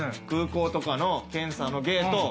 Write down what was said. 空港とかの検査のゲート。